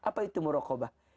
apa itu murokobah